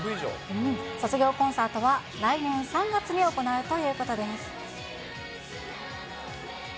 卒業コンサートは、来年３月に行われるということです。